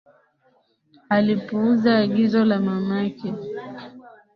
Alipuuza agizo la mamake